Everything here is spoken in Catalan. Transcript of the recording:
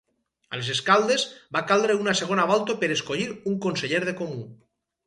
A les Escaldes va caldre una segona volta per escollir un conseller de comú.